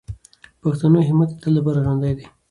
د پښتنو همت د تل لپاره ژوندی دی.